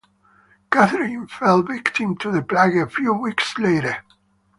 Katherine fell victim to the plague a few weeks later.